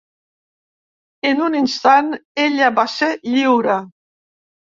En un instant, ella va ser lliure.